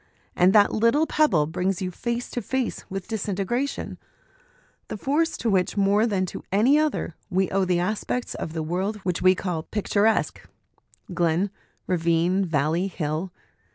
And that little pebble brings you face to face with disintegration, the force to which, more than to any other, we owe the aspects of the world which we call picturesque glen, ravine, valley, hill.